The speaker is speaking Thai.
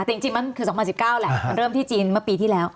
แต่จริงมันคือ๒๐๑๙แหละมันเริ่มที่จีนเมื่อปีที่แล้ว